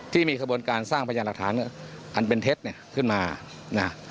ที่มีขบวนการสร้างพยานหลักฐานอันเป็นเท็จเนี่ยขึ้นมานะ